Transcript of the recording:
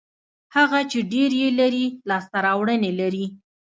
هغه چې ډېر یې لري لاسته راوړنې لري.